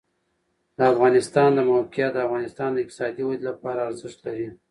د افغانستان د موقعیت د افغانستان د اقتصادي ودې لپاره ارزښت لري.